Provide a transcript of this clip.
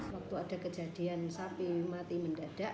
waktu ada kejadian sapi mati mendadak